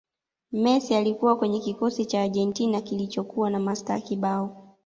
messi alikuwa kwenye kikosi cha argentina kilichokuwa na mastaa kibao